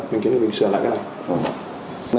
mình kiếm được mình sửa lại cái này